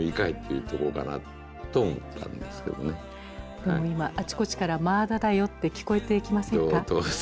でも今あちこちから「まあだだよ」って聞こえてきませんか。